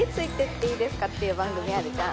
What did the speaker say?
っていう番組あるじゃん。